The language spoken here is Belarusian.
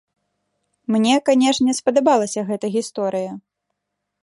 Мне, канешне, спадабалася гэта гісторыя!